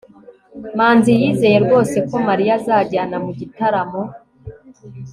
manzi yizeye rwose ko mariya azajyana mu gitaramo